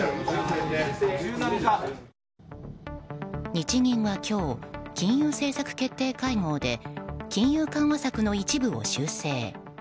日銀は今日金融政策決定会合で金融緩和策の一部を修正。